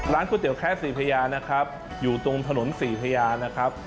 ก๋วยเตี๋ยแคสสี่พญานะครับอยู่ตรงถนนศรีพญานะครับ